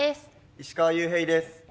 石川裕平です。